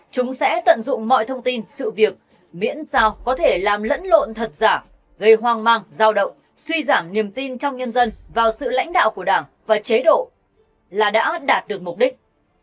chúng sẽ tận dụng mọi thông tin sự việc miễn sao có thể làm lẫn lộn thật giả gây hoang mang giao động suy giảm niềm tin trong nhân dân vào sự lãnh đạo của đảng và chế độ là đã đạt được mục đích